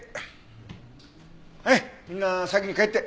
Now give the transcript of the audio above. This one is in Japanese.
はいみんな先に帰って。